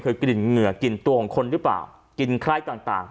คือกลิ่นเหงื่อกลิ่นตัวของคนหรือเปล่ากลิ่นไคร้ต่างต่าง